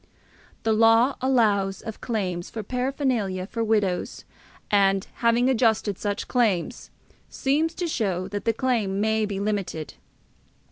The law allows of claims for paraphernalia for widows, and, having adjusted such claims, seems to show that the claim may be limited.